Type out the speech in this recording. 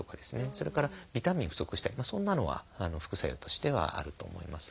それからビタミン不足したりそんなのは副作用としてはあると思います。